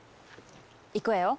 いくわよ。